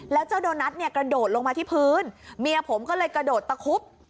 แล้วเจ้าโดนัทเนี่ยกระโดดลงมาที่พื้นเมียผมก็เลยกระโดดตะคุบ